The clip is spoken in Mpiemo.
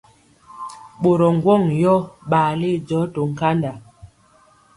Ɓorɔ ŋgwɔŋ yɔ ɓale jɔɔ to nkanda.